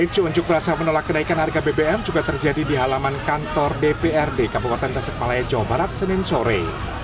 ricu unjuk rasa menolak kenaikan harga bbm juga terjadi di halaman kantor dprd kabupaten tasik malaya jawa barat senin sore